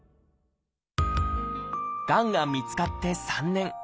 がんが見つかって３年。